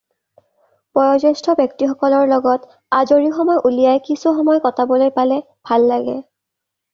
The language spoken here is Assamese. বয়োজ্যেষ্ঠ ব্যক্তিসকলৰ লগত আজৰি সময় উলিয়াই কিছু সময় কটাবলৈ পালে ভাল লাগে।